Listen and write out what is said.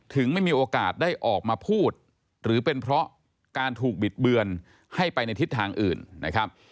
ไม่มีโอกาสได้ออกมาพูดหรือเป็นเพราะการถูกบิดเบือนให้ไปในทิศทางอื่นนะครับ